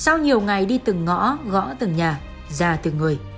khi mọi người thấy đi từng ngõ gõ từng nhà ra từng người